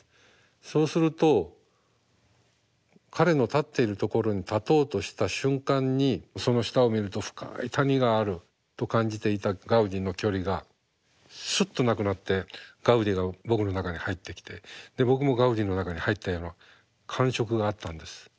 そうすると彼の立っているところに立とうとした瞬間にその下を見ると深い谷があると感じていたガウディの距離がすっとなくなってガウディが僕の中に入ってきて僕もガウディの中に入ったような感触があったんです。